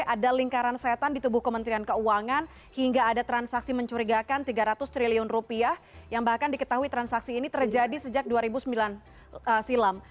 ada lingkaran setan di tubuh kementerian keuangan hingga ada transaksi mencurigakan tiga ratus triliun rupiah yang bahkan diketahui transaksi ini terjadi sejak dua ribu sembilan silam